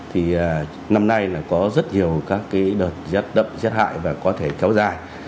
thì năm nay là có rất nhiều các cái đợt rét đậm rét hại và có thể kéo dài